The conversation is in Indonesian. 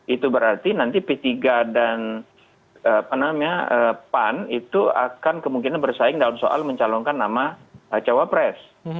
itu berarti nanti p tiga dan pan itu akan kemungkinan bersaing dalam soal mencalonkan nama cawapres